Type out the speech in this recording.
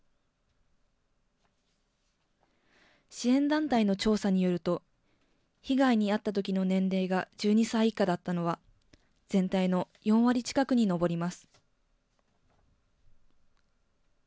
支援団体の調査によると、被害に遭ったときの年齢が１２歳以下だったのは、全体の４割近くに上ります。